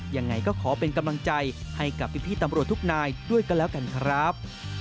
ยังไงก็ขอเป็นกำลังใจให้กับพี่ตำรวจทุกนายด้วยกันแล้วกันครับ